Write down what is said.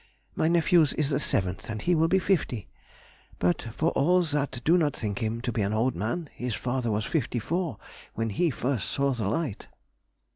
My nephew's is the 7th, and he will be fifty, but for all that do not think him to be an old man. His father was fifty four when he first saw the light....